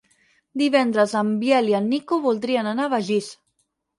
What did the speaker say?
Divendres en Biel i en Nico voldrien anar a Begís.